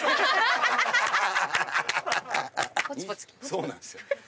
そうなんですよ。